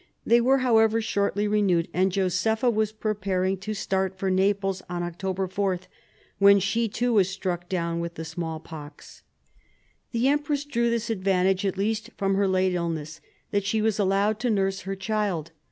They were, however, shortly renewed, and Josepha was preparing to start for Naples on October 4, when she too was struck down with the smallpox. The empress drew this advantage at least from her late illness, that she was allowed to nurse her child.